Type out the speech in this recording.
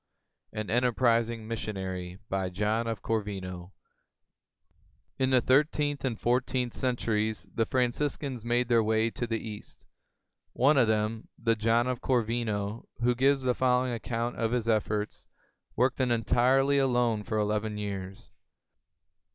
AN ENTERPRISING MISSIONARY [In the thirteenth and fourteenth centuries the Franciscans made their way to the East. One of them, the John of Cor vino who gives the following account of his efforts, worked entirely alone for eleven years.